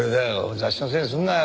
雑誌のせいにするなよ。